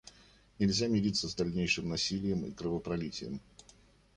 Нельзя мириться с дальнейшим насилием и кровопролитием.